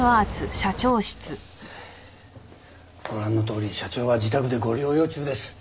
ご覧のとおり社長は自宅でご療養中です。